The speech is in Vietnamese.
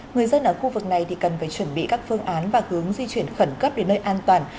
người dân ở khu vực này cần phải chuẩn bị các phương án và hướng di chuyển khẩn cấp đến nơi an toàn